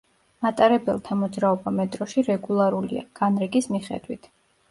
მატარებელთა მოძრაობა მეტროში რეგულარულია, განრიგის მიხედვით.